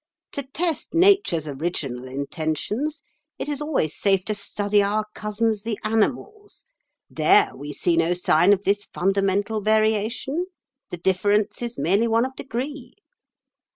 To test Nature's original intentions, it is always safe to study our cousins the animals. There we see no sign of this fundamental variation; the difference is merely one of degree."